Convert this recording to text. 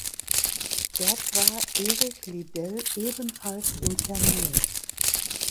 Dort war Eric Liddell ebenfalls interniert.